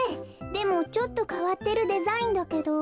でもちょっとかわってるデザインだけど。